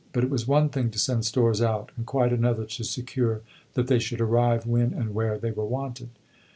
But it was one thing to send stores out, and quite another to secure that they should arrive when and where they were wanted.